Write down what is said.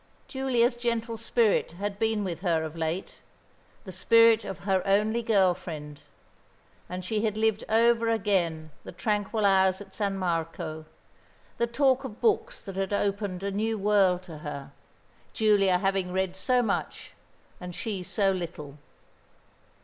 Giulia's gentle spirit had been with her of late, the spirit of her only girl friend, and she had lived over again the tranquil hours at San Marco, the talk of books that had opened a new world to her, Giulia having read so much and she so little.